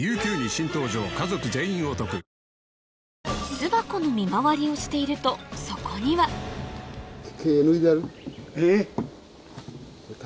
巣箱の見回りをしているとそこにはえっ卵？